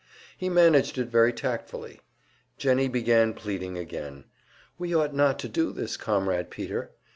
He managed it very tactfully. Jennie began pleading again: "We ought not to do this, Comrade Peter!"